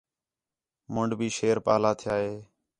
منݙ بھی شیر پاہلا تِھیا ہِے